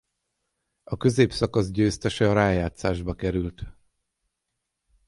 A középszakasz győztese a rájátszásba került.